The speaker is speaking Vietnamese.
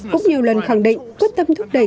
cũng nhiều lần khẳng định quyết tâm thúc đẩy